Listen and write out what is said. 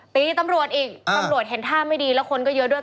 ตีตำรวจอีกตำรวจเห็นท่าไม่ดีแล้วคนก็เยอะด้วย